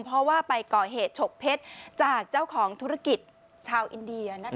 เพราะว่าไปก่อเหตุฉกเพชรจากเจ้าของธุรกิจชาวอินเดีย